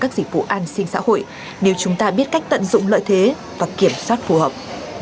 các dịch vụ an sinh xã hội nếu chúng ta biết cách tận dụng lợi thế và kiểm soát phù hợp